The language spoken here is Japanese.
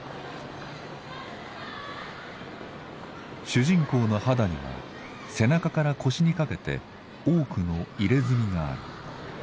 主人公の肌には背中から腰にかけて多くの刺青がある。